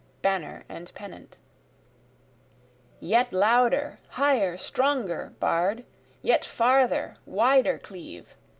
Banner and Pennant: Yet louder, higher, stronger, bard! yet farther, wider cleave!